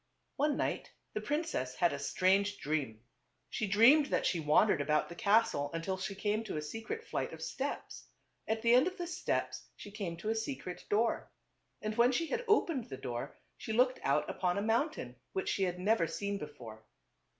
. One night the princess had a strange dream. She dreamed that she wan dered about the castle until she came to a secret flight of steps ; at the end of the steps she came to a secret door ; and when she had opened the door she looked out ^" upon a mountain which she had '' never seen before.